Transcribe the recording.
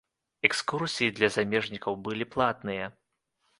Экскурсіі для замежнікаў былі платныя.